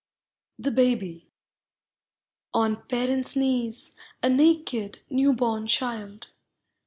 THE BABY. On parents' knees, a naked, new born child.